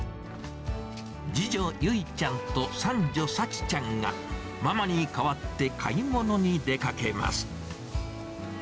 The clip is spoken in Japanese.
次女、結ちゃんと三女、幸ちゃんがママに代わって買い物に出かけます。